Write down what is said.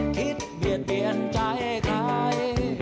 คิดเบียดเบียนใจใคร